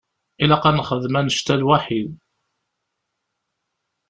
Ilaq ad nexdem annect-a lwaḥid.